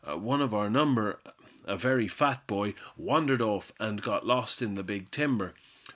One of our number, a very fat boy, wandered off, and got lost in the big timber.